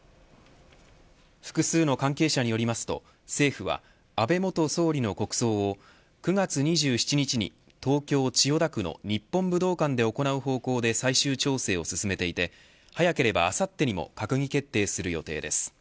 複数の関係者によりますと政府は安倍元総理の国葬を９月２７日に東京、千代田区の日本武道館で行う方向で最終調整を進めていて早ければあさってにも閣議決定する予定です。